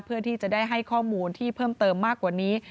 เพื่อที่จะได้ให้ข้อมูลที่เพิ่มเติมมากกว่านี้